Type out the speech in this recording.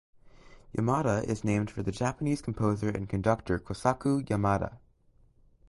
Yamada is named for the Japanese composer and conductor Kosaku Yamada.